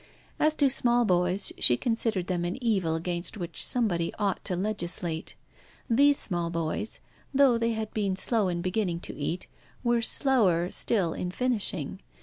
As to small boys, she considered them an evil against which somebody ought to legislate. These small boys, though they had been slow in beginning to eat, were slower still in finishing.